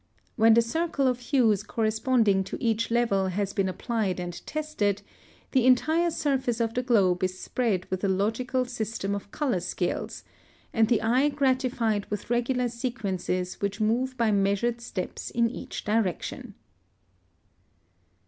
When the circle of hues corresponding to each level has been applied and tested, the entire surface of the globe is spread with a logical system of color scales, and the eye gratified with regular sequences which move by measured steps in each direction.